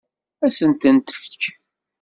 Ad sent-ten-tefk?